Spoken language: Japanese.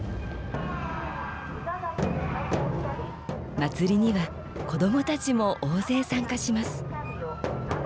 祭りには子供たちも大勢参加します。